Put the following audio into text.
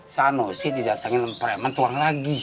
sanusi didatengin sama preman tukang lagi